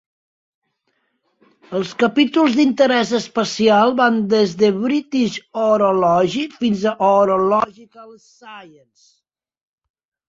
Els capítols d'interès especial van des de "British Horology" fins a "Horological Science".